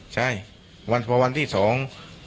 ใช่วันพอวันที่สอง